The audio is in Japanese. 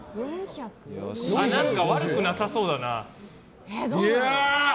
何か悪くなさそうだな。